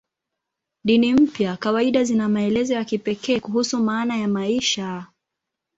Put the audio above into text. Dini mpya kawaida zina maelezo ya kipekee kuhusu maana ya maisha.